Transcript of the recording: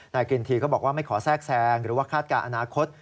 กินทีก็บอกว่าไม่ขอแทรกแซงหรือว่าคาดการณ์อนาคต